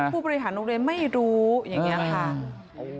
ผู้บริหารโรงเรียนไม่รู้อย่างนี้ค่ะ